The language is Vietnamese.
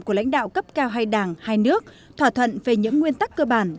của lãnh đạo cấp cao hai đảng hai nước thỏa thuận về những nguyên tắc cơ bản